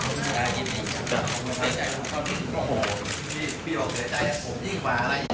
คุณต้องเข้าใจถึงว่าคุณเสร็จแล้ว